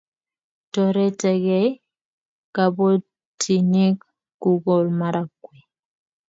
toretekei kabotinik kukol marakwe